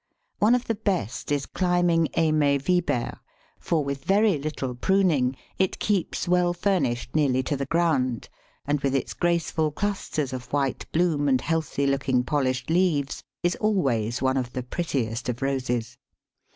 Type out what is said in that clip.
One of the best is climbing Aimée Vibert, for with very little pruning it keeps well furnished nearly to the ground, and with its graceful clusters of white bloom and healthy looking, polished leaves is always one of the prettiest of Roses.